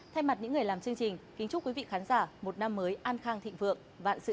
thay mặt những người làm chương trình kính chúc quý vị khán giả một năm mới an khang thịnh vượng vạn sự